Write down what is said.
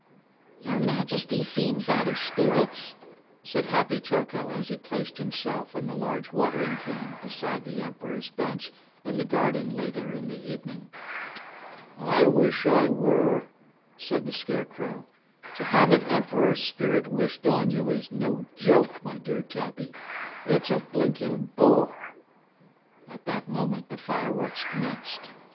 "Your Majesty seems out of spirits," said Happy Toko as he placed himself and the huge watering can beside the Emperor's bench in the garden later in the evening. "I wish I were," said the Scarecrow. "To have an Emperor's spirit wished on you is no joke, my dear Tappy. It's a blinking bore!" At that moment, the fireworks commenced.